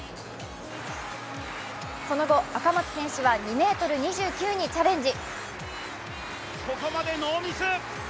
その後、赤松選手は２ｍ２９にチャレンジ。